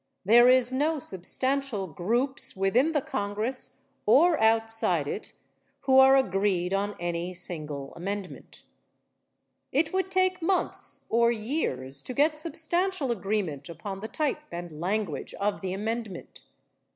There is no substantial groups within the Congress or outside it who are agreed on any single amendment. It would take months or years to get substantial agreement upon the type and language of the amendment.